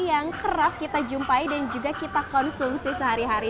yang kerap kita jumpai dan juga kita konsumsi sehari hari